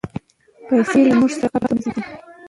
پیسې له موږ سره قبر ته نه ځي.